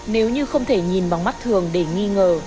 nếu như không thể nhìn bằng mắt thường để nghi ngờ